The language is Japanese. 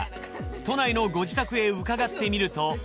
都内のご自宅へうかがってみると。